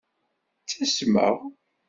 Ttasmeɣ.